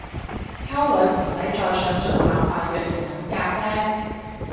溝女唔使再想盡辦法約人飲咖啡